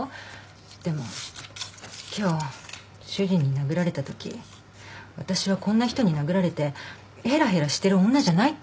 でも今日主人に殴られたとき私はこんな人に殴られてへらへらしてる女じゃないって思ったの。